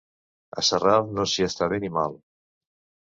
A Sarral no s'hi està bé ni mal.